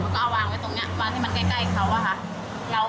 เขาก็เอาวางไว้ตรงนี้มาที่มันใกล้เขาค่ะ